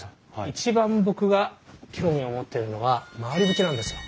一番僕が興味を持ってるのは廻り縁なんですよ。